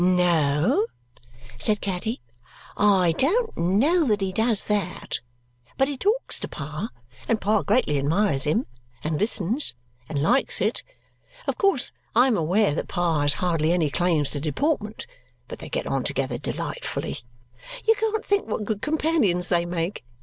"No," said Caddy, "I don't know that he does that, but he talks to Pa, and Pa greatly admires him, and listens, and likes it. Of course I am aware that Pa has hardly any claims to deportment, but they get on together delightfully. You can't think what good companions they make.